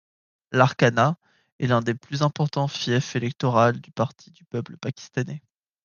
Larkana est l'un des plus importants fiefs électorales du Parti du peuple pakistanais.